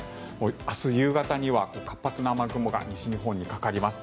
明日夕方には活発な雨雲が西日本にかかります。